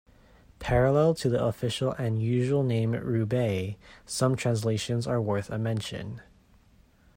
Parallel to the official and usual name "Roubaix", some translations are worth a mention.